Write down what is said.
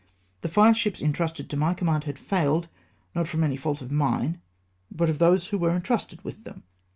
The fire ships entrusted to my command had failed, not from any fault of mine, but of those who were entrusted with them.